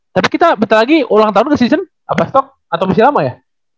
tapi kita bentar lagi ulang tahun ke season abas talk atau misalnya lama ya